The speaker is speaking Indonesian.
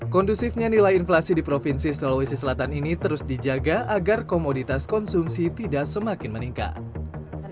kondusifnya nilai inflasi di provinsi sulawesi selatan ini terus dijaga agar komoditas konsumsi tidak semakin meningkat